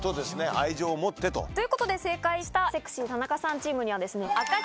愛情を持ってと。ということで正解した「セクシー田中さんチーム」には。